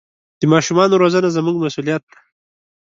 د ماشومانو روزنه زموږ مسوولیت دی.